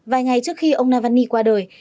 vài ngày trước khi ông navalny qua đời